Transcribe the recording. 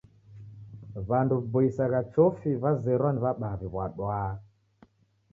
W'andu w'iboisagha chofi w'azerwa na w'abaa w'iw'wadwaa